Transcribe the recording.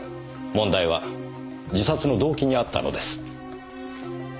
問題は自殺の動機にあったのです。